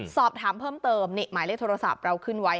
สอบถามเพิ่มเติมนี่หมายเลขโทรศัพท์เราขึ้นไว้